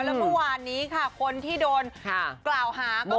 แล้วเมื่อวานนี้ค่ะคนที่โดนกล่าวหาก็คือ